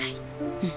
うん。